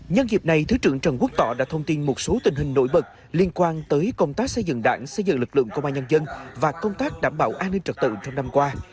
nhân dịp này thứ trưởng trần quốc tỏ đã thông tin một số tình hình nổi bật liên quan tới công tác xây dựng đảng xây dựng lực lượng công an nhân dân và công tác đảm bảo an ninh trật tự trong năm qua